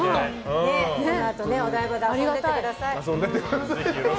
このあと、お台場で遊んでいってください。